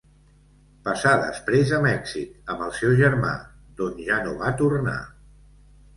Passà després a Mèxic amb el seu germà, d'on ja no va tornar.